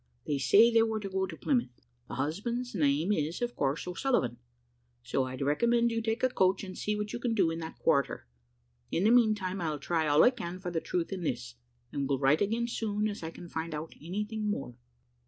They say they were to go to Plymouth. The husband's name is, of course, O'Sullivan; so I'd recommend you to take a coach and see what you can do in that quarter; in the meantime, I'll try all I can for the truth in this, and will write again as soon as I can find out any thing more.